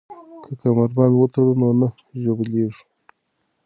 که کمربند وتړو نو نه ژوبلیږو.